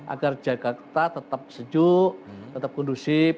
agar jakarta tetap sejuk tetap kondusif